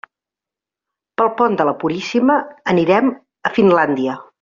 Pel pont de la Puríssima anirem a Finlàndia.